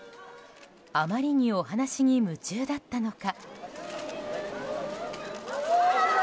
あまりにお話に夢中だったのか。